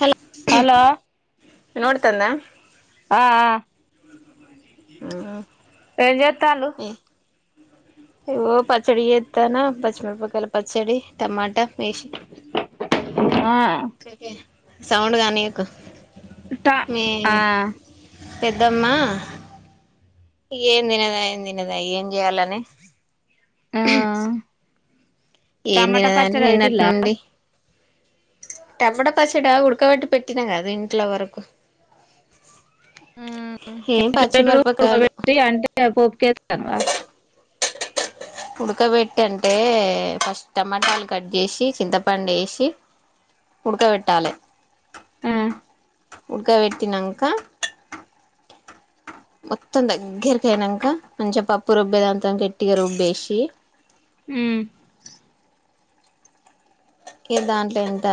Hello hello ఇనవడుతందా ఆ ఆ ఆ ఎంజేతాళ్లు ఇగో పచ్చడి చెత్తాన్న పచ్చమిరపకాయాల పచ్చడి టమాట ఎసి ఆ సౌండ్ గానియ్యకు ట ఆ దమ్మా ఇగేమ్ తినదాయా ఏం తినదాయా ఏం జేయాలని ఆ [unintelligible] టమాటా పచ్చడా పెట్టిలా టమాట పచ్చడా ఉడకబెట్టి పెట్టినా కాదు ఇంట్లో వరకు ఏం ఎట్ల బెట్టుడు పచ్చిమిరపకాయలు ఉడుకబెట్టి అంటే పోపుకేతన్నవా ఉడకబెట్టి అంటే ఫస్ట్ టమాటాలు కట్ జేసి చింతపండు ఏసి ఉడుకబెట్టాలె ఆ ఉడకబెట్టినంక మొత్తం దగ్గరికయినంకా మంచిగా పప్పు రుబ్బేదాంతొ గట్టిగా రుబ్బేసి ఉమ్ ఇగ దాంట్ల ఇంత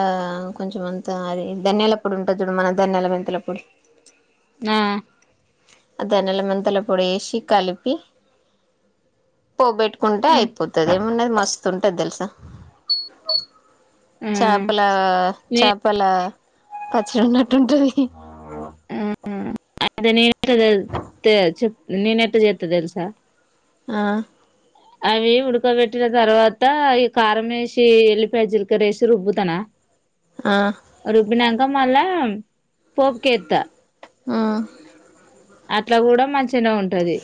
కొంచమంతా అది ధన్యాలపొడి ఉంటది చూడు మన ధన్యాల మెంతులపొడి ఆ ఆ దానాల మెంతుల పొడి ఎషీ కలిపి పోబెట్టుకుంటే ఉమ్ అయిపోతది ఏమున్నది మస్తుంటది తెలుసా ఆ చాపల నే చాపల పచ్చడి ఉన్నట్టు ఉంటది ఉమ్ అదే నేనె తెల్ తే చెప్ నేన ఎట్ట చేత్త తెలుసా ఆ అవి ఉడకబెట్టిన తర్వాత ఈ కారం వేసి వెల్లిపాయజిలికరేసి రుబ్బుతాన ఆ రుబ్బినంక మళ్ళా పోపుకేత్త ఆ అట్ల కూడా మంచిగనే ఉంటది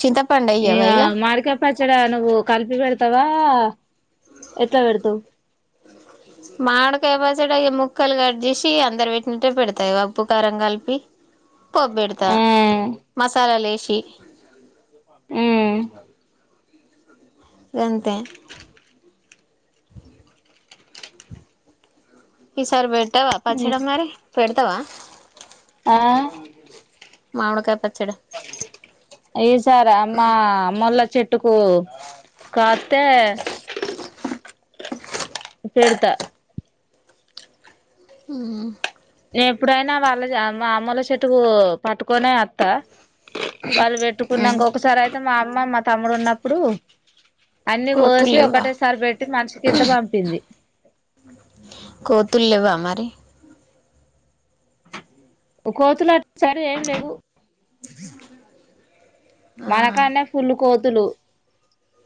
చింతపండెయ్యవా ఇగ పచ్చడ నువ్వు కలిపి పెడతావా ఎట్లా పెడతావ్ మాడకాయపచ్చడా ఇగ ముక్కలు కట్ చేేసి అందరు పెట్టినట్టే పెడతా ఉప్పు కారం కలిపి పోబ్ పెడుతా ఆ మసాలాలు ఎసి ఉమ్ గంతే ఈసారి పెట్టావా పచ్చడ ఉమ్ మరి పెడుతావా ఆ మామీడికాయ్ పచ్చడ ఈ సారామ్మ అమ్మోల్ల చెట్టుకు కాత్తే పెడుత హ్మ్ నే ఎప్పుడైనా వాళ్ళ ఆ మా అమ్మెల్ల చెట్టుకూ పట్టుకొనే అత్తా వాళ్ళు వెట్టుకున్నంక ఒకసారైతే మా అమ్మ మా తమ్ముడు ఉన్నప్పుడు అన్ని కోసి కోతుల్లేవ్వ ఒకటేసారి పెట్టి మనషికింత పంపింది కోతుల్లెవ్వా మరి కోతులు అట్సైడ్ ఏం లెవ్వు ఆ మనకాన్నే ఫుల్లు కోతులు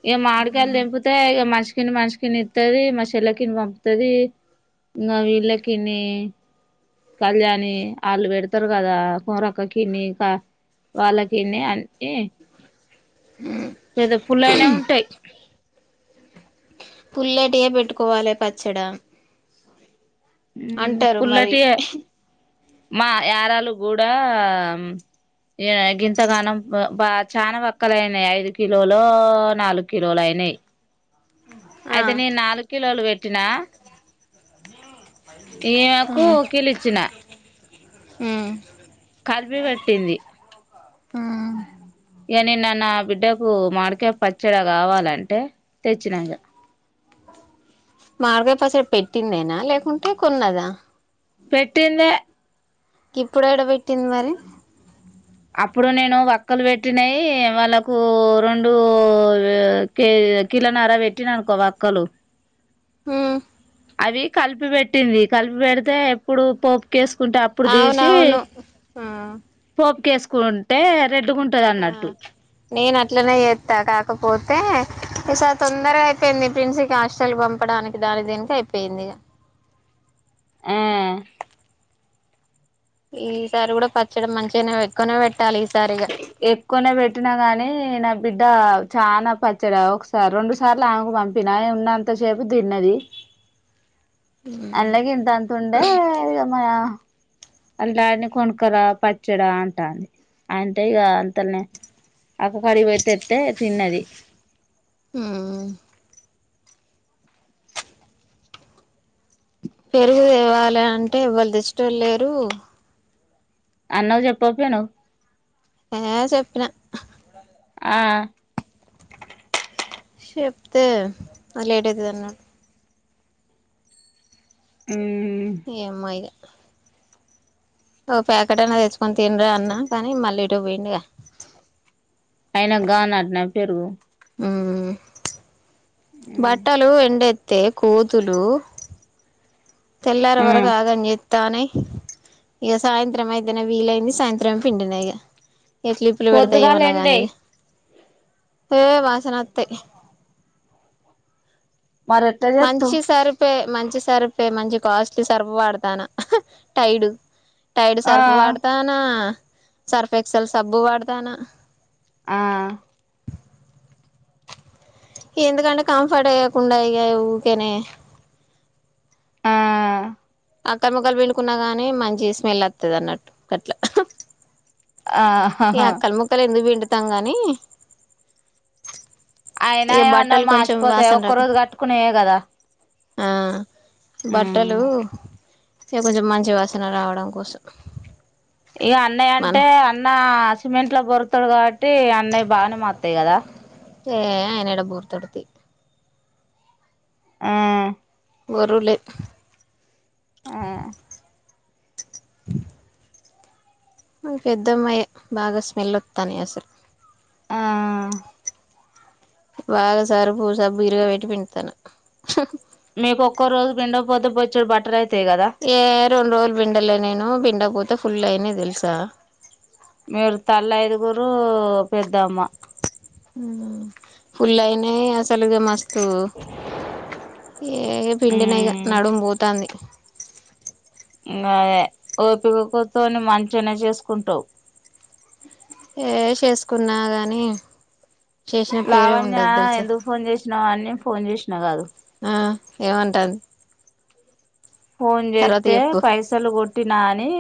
ఇగ మాడికాయలు దెంపితే ఇగ మనిష్ మనషకిన్ని ఇత్తది మా చెల్లెకిన్ని పంపుతది ఇంగ వీల్లకిన్నీ కళ్యాణి ఆళ్ళు పెడుతరు గదా కొమ్రక్కకిన్ని కా వాళ్ళకిన్ని అన్నీ పెద పుల్లగనే ఉంటాయి పుల్లటియే బెట్టుకోవాలే పచ్చడ ఉమ్ అంటారు మరి పుల్లటియే మా యారాలు గుడా ఏ గింతగానం బా చాన వక్కలయినెయ్ ఐదు కిలోలో నాలుగు కిలోలయ నెయ్ ఆ ఐతే నేన్ నాలుగ్ కిలోలు పెట్టినా ఈమేకు కిలిచ్చినా ఉమ్ కల్పిపెట్టింది ఆ ఇగ నిన్న నాబిడ్డకు మాడికాయ్ పచ్చడ కావాలంటే తెచ్చినా ఇగ మాడికాయ్ పచ్చడ పెట్టిందేనా లేకుంటే కొన్నదా పెట్టిందే గిప్పుడేడ పెట్టింది మరి అప్పుడు నేను వక్కలు వెట్టినయి వాళ్ళకూ రొండూ వ్య్ కే కిలనర వెట్టిన అనుకో వక్కలు ఉమ్ అవి కల్పి పెట్టింది కలిపి పెడితే ఎప్పుడు పోప్ కెసుకుంటే అప్పుడు దీసి అవునవును ఆ పోప్ కేేస్కుంటే ఆ నేనట్లనే చెత్తా కాకపోతే ఇసారి తొందరగ్ అయిపోయింది ప్రిన్సికి హాస్టల్ వంపడానికి దానికి దీనికి కయిపోయింది ఇగ ఆ ఈసారి గుడా పచ్చడ మంచిగానే ఎక్కువనే పెట్ ఎక్కువనే పెట్టినా గానీ నా బిడ్డ చానా పచ్చడా ఒకసార్ రొండు సార్ల ఆమకు పంపిన ఉన్నంతసేపు తిన్నది అల్ల గింతంత ఉండే ఇ గ మ అల్ల డాడిని కొన్కరా పచ్చడ అంటాంది అంటే ఇగ అంతల్నే అక్క కడిగివోయ్ తెత్తే తిన్నది ఉహ్మ్ పెరుగు తేవాలే అంటే ఎవ్వలు దెచ్చెటోళ్ళు లేరు అన్నకు జెప్పకపోయినవ్ ఏ చెప్పిన ఆ చెప్తే నాక్ లేట్ అయితది అన్నాడు ఉమ్ ఏమ్మో ఇగ ఓ ప్యాకెటన్నా తెచ్చుకొని తిన్రా అన్నా కానీ మళ్ళీ ఏటో పోయిండుగా ఐనా గానట్నా పెరుగు బట్టలు ఎండేత్తే కోతులు తెల్లారే ఆ వరగు ఆగం జే తానయ్ ఇగ సాయంత్రం అయితేనే వీలైంది సాయంత్రం పిండిన ఇగ ఏ క్లిప్పులు పెడుతా పొద్దుగాల ఏమన్నా ఎండే గానీ ఇగ ఏ వాసనాత్తయ్ మరెట్లా జేత్తవ్ పే మంచి సర్ఫే మంచి కాస్ట్లీ సర్ఫ్ వాడతాన టైడు టైడు ఆ సర్ఫ్ వాడతానా సర్ఫెక్సెల్ సబ్బు వాడతానా ఆ ఎందుకంటే కంఫర్ట్ ఏయకుండా ఇగ ఊకెనే ఆ అక్కల్ ముక్కలు పిండుకున్నా గాని మంచి స్మెల్ ఒత్తది అన్నట్టు గట్ల ఆ ఈ అక్కల్ ముక్కలు ఎందుకు పిండుతాం గానీ అయినా ఏమన్నా మాసిపోతాయ ఒక్క రోజు రాకుండా కట్టుగున్నయే గదా ఆ బట్టలు ఇగ కొంచెం మంచిగా వాసన రావడం కోసం ఇగా అన్నయ్య అంటే మనం అన్నా సిమెంట్ లో బొర్రుతాడు గావట్టి అన్నయ్య బానే మాత్తయ్ గదా ఏ అయనేడ బొర్రుతాడు తీ హ్మ్ ఒరులే ఆ పెద్దమ్మాయే బాగా స్మెల్ వొత్తనయ్ అసలు ఆ బాగా సర్పు సబ్బు ఇరగబెట్టి పిండతన్నా మేపు ఒక్క రోజు పిండగపోతే బొచ్చెడు బట్టలు ఐత తే రెండు రోజులు పిండలే నేను పిండకపోతే ఫుల్ అయినాయి దెలుసా. మీరు తళ్ళైదుగురూ పెద్దమ్మ. ఫుల్ అయినయ్ అసలు ఇగ మస్ ఏ పిండిన ఇగ ఉమ్ నడుం పోతాంది. ఇంగాదే ఓపికతోని మంచినే చేసుకుంటావ్. ఏ చేసుకున్నా గాని చేసిన పేరే లావణ్య ఉండదు తెలుసా ఎందుకు ఫోన్ జేసినావని ఫోన్ చేసినా గదు ఆ ఏమంటాన్ ఫోన్ జేత్తే పైసలు గొట్టినా అని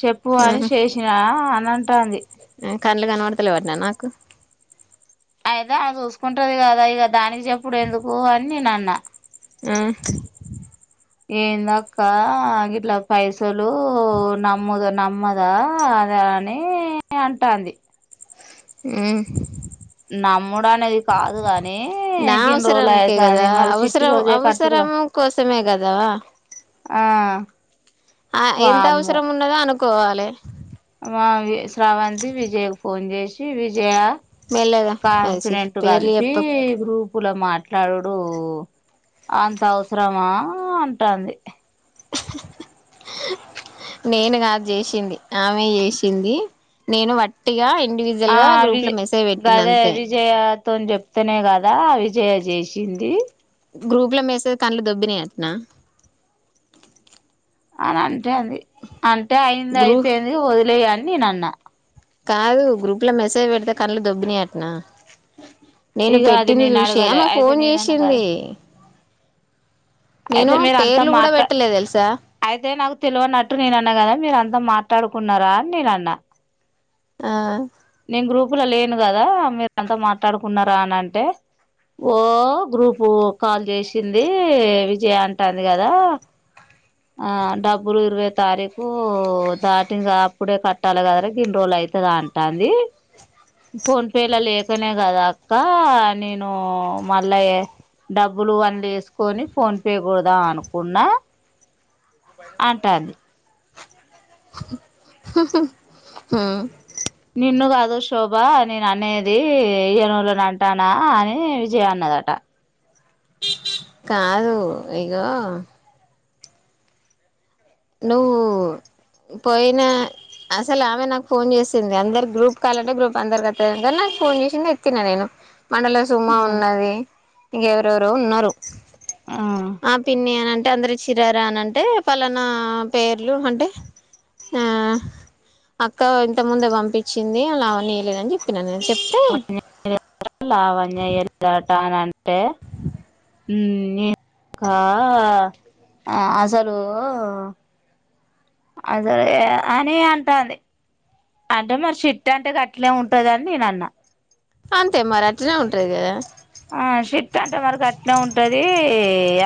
చెప్పు అని చేసినా అని అంటాంది. కండ్లు కనవడలేవటన నాకు అయితే అది చూసుకుంటది కదా ఇగ దానికి చొప్పుడు ఎందుకు అని నేను అన్నా ఆ ఏందక్కా గిట్ల పైసలు నమ్ముదు నమ్ అమ్మదా అదా అనీ అంటాంది. హ్మ్ నమ్ముడానేది కాదు గాని నా గిన్ని రోజులు అయ్యే కదా మరి చిట్టి రోజే కట్టుడు. ఓమ్ కోసమే గదా. ఆహ్. ఆ ఎంత అవసరం ఉన్నదో అనుకోవాలే వా వి శ్రవంతి విజయకు ఫోన్ చేసి విజయా మెల్లగా అది ఛీ కాన్ఫిడెంట్ పేర్లు గలిపీ చెప్పకు గ్రూప్ అప్పుల మాట్లాడుడు అంత అవసరమా అంటాది. నేను కాదు చేసింది ఆమె చేసింది నేను వట్టిగా. ఇండివిజువల్ ఆ గా గ్రూప్ ల మెసేజ్ పెట్టిన అంతే. తోన్ చెప్తానే కదా ఆ విజయ చేసింది. గ్రూప్ ల మెసేజ్ కళ్లు దొబ్బినయంటాన. అని అంటుంది అంతే అయింది గ్రూ అయిపోయింది ఓదిలై అని నేను అన్నా. కాదు గ్రూప్ ల మెసేజ్ పెడితే కళ్లు దోభినై అట్నా. నేను ఇక అది పెట్టింది నేను చూసే అడగలే ఆమె అయితే ఫోన్ నేనన్నా కదా చేసింది. అయితే నేను అంతా పేర్లు కూడా మాట పెట్టలేదు తెలుసా అయితే నాకు తెలివన్నట్టు నేను అన్నా కదా మీరు అంత మాట్. మాట్లాడుకున్నార అని నేను అన్న. ఆహ్. నేను గ్రూప్ల లేను కదా మీరు అంతా మాట్లాడుకున్నారా అని అంటే. ఓ గ్రూప్ కాల్ చేసింది విజయ అంటంది కదా. ఆహ్ డబ్బులు ఇరవై తారీకు దాటింది కదా అప్పుడే కట్టాలే కదరా గిన్ని రోజులా. అయితదా అంటాంది. ఫోన్ పేల లేకనే కదా అక్క నేనూ మళ్ళా చే. డబ్బులు అన్లేసుకొని ఫోన్పే కోడుదాం అనుకున్నా. అంటంది. హ్ హ్ ఉమ్. నిన్ను కాదు శోభా నేను అనేది ఇయ్యానోలను అంటానా అని విజయ అన్నదాట. కాదు ఇగో. నువ్వు. పోయిన అసల్ ఆమె నాకు ఫోన్ చేసింది అందరు గ్రూప్ కాలంటే గ్రూప్ అందరు [unintelligible] ఫోన్ చేసింది ఎత్తిన నేను. మనలో సుమా ఉన్నది ఇంకెఎవరెవరో ఉన్నారు ఆ ఆహ్ పిన్ని అన్. అంటే అందరూ ఇచీన్రారా అన్ అంటే పళ్ళన్న పేర్లు అంటే. ఆహ్ అక్క ఇంతకుముందే పంపించింది ఆ లావణ్య ఇవలేదని చెప్పినానేనే. [inaudible] లావణ్య ఇయాలేదాటా అంటే. ఉమ్ నేను కా. ఆహ్ అసలూ. అసలు ఏం అని అంటంది. అంటే మరి చిట్టి అంటే గట్లే ఉంటదని నేను అన్నా. అంతే మరి అట్లనే ఉంటది కదా. ఆహ్ చిట్ అంటే మరి ఘాట్నే ఉంటది.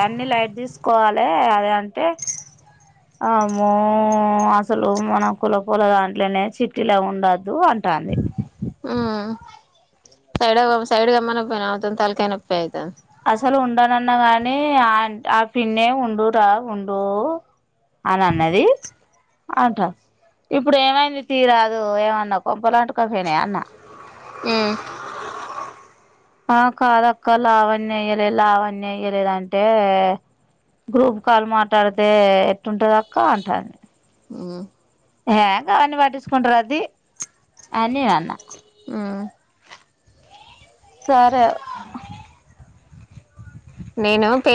అన్నిలైట్ తిసుకోవాలే అదే అంటే. అమ్మో అసలు మన కులపోల దాట్లనే చిట్టిలావి ఉండద్. ఉమ్ [unintelligible] సైడుగా మన పనవుతుంది తలకాయనొప్పి అయితాంది. అసలు ఉండానన్న గానీ ఆహ్ ఆ పిన్నే ఉండు రా ఉండూ. అని అన్నది. అంటా ఇప్పుడు ఏమైంది తీయరాదూ ఏమన్నా కొంపల్ అంటూకపోయినయ్య అన్న. ఉమ్. ఆహ్ కాదాక్క లావణ్య ఎయ్యలే లావణ్య ఎయ్యలేదంటే. గ్రూప్ కాల్ మాట్లాడ్తే ఎట్లుంటది అక్క అంటాం మ్ యే గవన్ని పట్టికుంటార తీ అన్ నేనన్న. ఆహ్. సరే ఆహ్. నేనా పే.